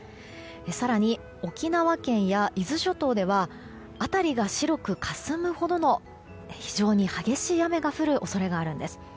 更に沖縄県や伊豆諸島では辺りが白くかすむほどの非常に激しい雨が降る恐れがあります。